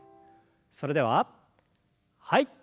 それでははい。